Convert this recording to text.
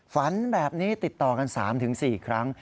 ฝันแบบนี้ติดต่อกัน๓๔ครั้ง